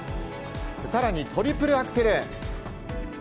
更にトリプルアクセル。